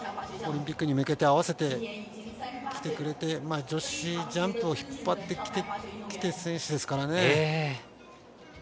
オリンピックに向けて合わせてきてくれて女子ジャンプを引っ張ってきた選手ですからね。